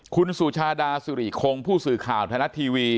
คุณสุชาดาสุริคงผู้สื่อข่าวไทยรัฐทีวี